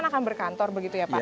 akan berkantor begitu ya pak